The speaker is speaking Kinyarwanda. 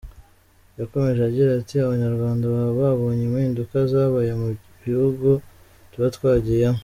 Yakomeje agira ati “Abanyarwanda baba babonye impinduka zabaye mu bihugu tuba twagiyemo.